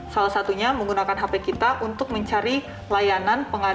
salah satunya menggunakan hp kita untuk mencari layanan pengamanan